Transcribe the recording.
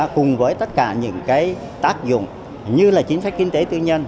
cùng với tất cả những cái tác dụng như chính sách kinh tế tự nhân